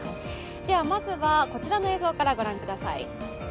ではまずは、こちらの映像から御覧ください。